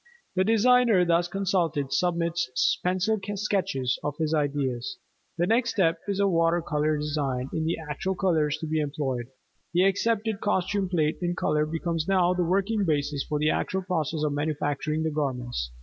The designer thus consulted submits pencil sketches of his ideas. The next step is a water color design in the actual colors to be employed. The accepted costume plate in color becomes now the working basis for the actual process of manufacturing the garments.